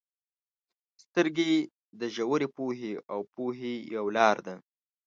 • سترګې د ژورې پوهې او پوهې یو لار ده.